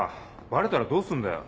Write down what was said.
バレたらどうすんだよ？